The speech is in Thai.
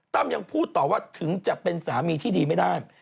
ยังพูดต่อว่าถึงจะเป็นสามีที่ดีไม่ได้